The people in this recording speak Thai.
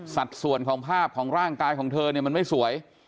สัดส่วนของภาพของร่างกายของเธอเนี่ยมันไม่สวย